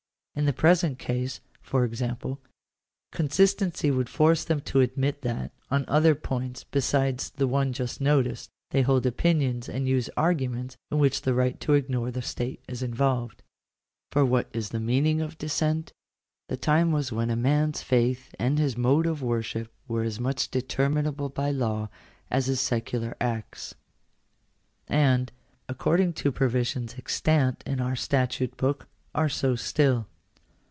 In the present case, for example, consistency would force them to admit that, on other points besides the one just noticed, they hold opinions and use arguments in which the right to ignore the state is involved. For what is the meaning of Dissent ? The time was when a man's faith and his mode of worship were as muoh determinable by law as his secular acts ; and, according to provisions extant in our statute book, are so still.